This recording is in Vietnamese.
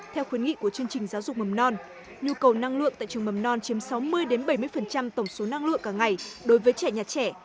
theo khuyến nghị của chương trình giáo dục mầm non nhu cầu năng lượng tại trường mầm non chiếm sáu mươi bảy mươi tổng số năng lượng cả ngày đối với trẻ nhà trẻ